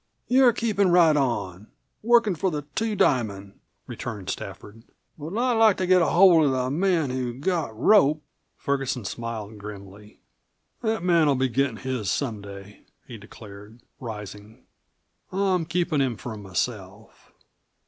"You're keepin' right on workin' for the Two Diamond," returned Stafford. "But I'd like to get hold of the man who got Rope." Ferguson smiled grimly. "That man'll be gittin' his some day," he declared, rising. "I'm keepin' him for myself.